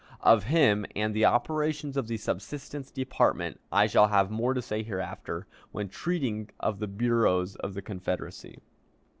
Of him and the operations of the subsistence department I shall have more to say hereafter, when treating of the bureaus of the Confederacy.